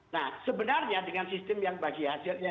nah sebenarnya dengan sistem yang bagi hasilnya